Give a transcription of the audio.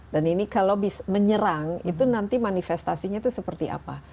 dan ini kalau menyerang itu nanti manifestasinya itu seperti apa